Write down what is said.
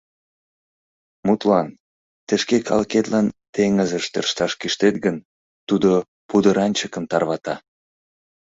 Мутлан, тый шке калыкетлан теҥызыш тӧршташ кӱштет гын, тудо пудыранчыкым тарвата.